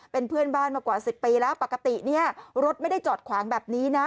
เป็นเพื่อนบ้านมากว่า๑๐ปีแล้วปกติเนี่ยรถไม่ได้จอดขวางแบบนี้นะ